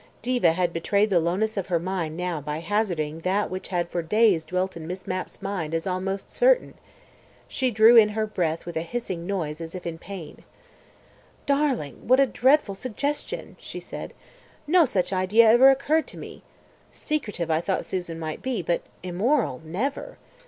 Diva had betrayed the lowness of her mind now by hazarding that which had for days dwelt in Miss Mapp's mind as almost certain. She drew in her breath with a hissing noise as if in pain. "Darling, what a dreadful suggestion," she said. "No such idea ever occurred to me. Secretive I thought Susan might be, but immoral, never.